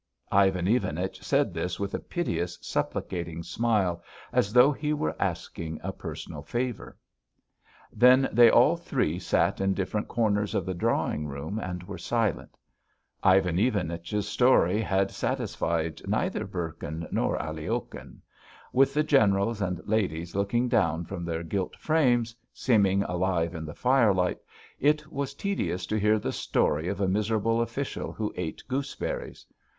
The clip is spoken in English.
Ivan Ivanich said this with a piteous supplicating smile, as though he were asking a personal favour. Then they all three sat in different corners of the drawing room and were silent. Ivan Ivanich's story had satisfied neither Bourkin nor Aliokhin. With the generals and ladies looking down from their gilt frames, seeming alive in the firelight, it was tedious to hear the story of a miserable official who ate gooseberries....